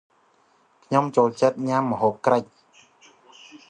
ខ្ញុំចូលចិត្តញ៉ាំម្ហូបក្រិច ។